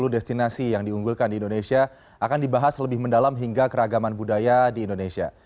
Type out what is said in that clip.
sepuluh destinasi yang diunggulkan di indonesia akan dibahas lebih mendalam hingga keragaman budaya di indonesia